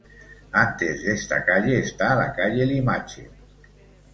Antes de esta calle, está la calle Limache.